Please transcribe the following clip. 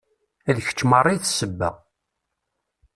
D kečč merra i d ssebba.